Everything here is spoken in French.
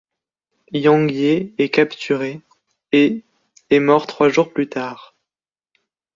Yang Ye est capturé et est mort trois jours plus tard.